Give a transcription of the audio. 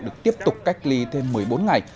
được tiếp tục cách ly thêm một mươi bốn ngày